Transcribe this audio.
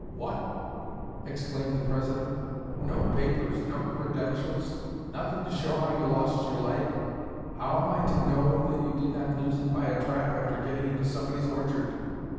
'What!' exclaimed the President, 'no papers, no credentials, nothing to show how you lost your leg! How am I to know that you did not lose it by a trap after getting into somebody's orchard?'